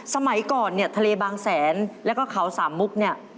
แสนแล้วก็เขาสามมุกเนี่ย